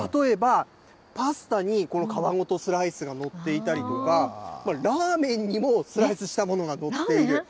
例えばパスタに皮ごとスライスが載っていたりとか、ラーメンにもスライスしたものが載っている。